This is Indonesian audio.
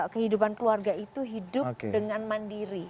kehidupan keluarga itu hidup dengan mandiri